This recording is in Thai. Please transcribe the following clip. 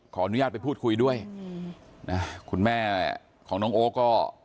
ขออนุญาตไปพูดคุยด้วยนะคุณแม่ของน้องโอ๊คก็